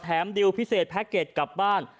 ดิวพิเศษแพ็คเกจกลับบ้าน